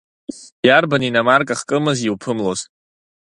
Иарбан иномарка хкымыз иуԥымлоз!